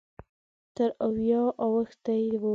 تر اویاوو اوښتی و.